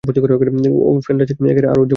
ওম হাত মিলাও, ফ্যান্টাস্টিক, আসো উদযাপন করা যাক।